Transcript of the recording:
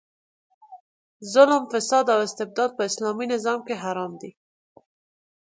ظلم، فساد او استبداد په اسلامي نظام کې حرام دي.